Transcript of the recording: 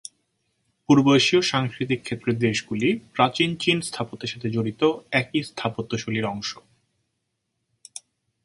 পূর্ব এশীয় সাংস্কৃতিক ক্ষেত্রের দেশগুলি প্রাচীন চীন স্থাপত্যের সাথে জড়িত একই স্থাপত্য শৈলীর অংশ।